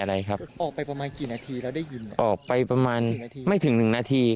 อะไรครับออกไปประมาณกี่นาทีเราได้ยินออกไปประมาณไม่ถึงหนึ่งนาที